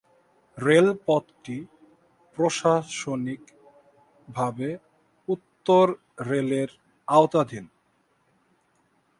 রেলপথটি প্রশাসনিকভাবে উত্তর রেলের আওতাধীন।